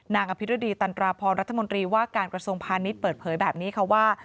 อภิรดีตันตราพรรัฐมนตรีว่าการกระทรวงพาณิชย์เปิดเผยแบบนี้ค่ะว่า